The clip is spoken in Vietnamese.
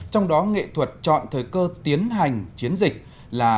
trong đó nghệ thuật chọn thời cơ tiến hành chiến dịch là